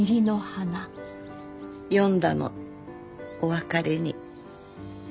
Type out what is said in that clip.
詠んだのお別れに。